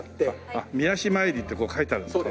あっ御足参りって書いてあるんですか。